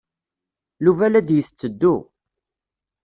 Yuba la d-yetteddu.